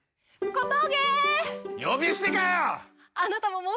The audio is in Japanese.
小峠。